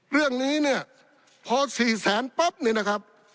เรื่องนี้เนี่ยพอ๔แสนปั๊บเนี่ยนะครับ